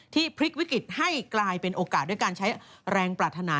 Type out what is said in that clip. พลิกวิกฤตให้กลายเป็นโอกาสด้วยการใช้แรงปรารถนา